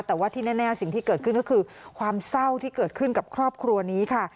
แต่ว่าที่แน่สิ่งที่เกิดขึ้นก็คือความเศร้าที่เกิดขึ้นกับครอบครัวนี้ค่ะ